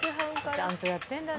ちゃんとやってるんだね。